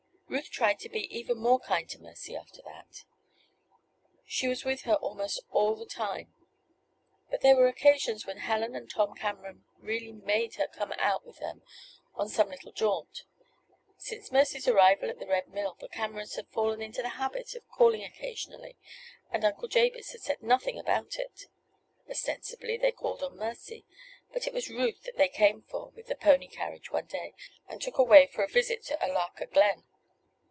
Ruth tried to be even more kind to Mercy after that. She was with her almost all the time. But there were occasions when Helen and Tom Cameron really made her come out with them on some little jaunt. Since Mercy's arrival at the Red Mill the Camerons had fallen into the habit of calling occasionally, and Uncle Jabez had said nothing about it. Ostensibly they called on Mercy; but it was Ruth that they came for with the pony carriage one day and took away for a visit to Olakah Glen.